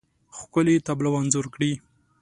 ښکلې، تابلو انځور کړي